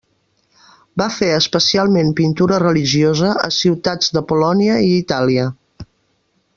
Va fer especialment pintura religiosa a ciutats de Polònia i Itàlia.